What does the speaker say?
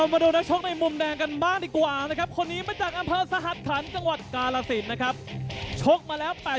มวยทายมวยทายมวยทายมวยทายมวยทายมวยทายมวยทายมวยทายมวยทายมวยทาย